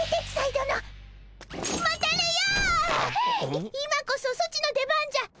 い今こそソチの出番じゃ。